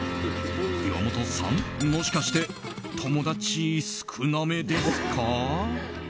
岩本さん、もしかして友達少なめですか？